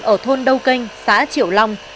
ở thôn đâu kênh xã triệu long